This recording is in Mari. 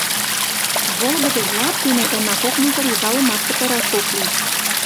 Волгыдо юап дене уна кок мужыр йыдалымат пытараш ок лий.